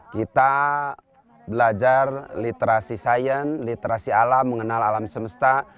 kita belajar literasi sains literasi alam mengenal alam semesta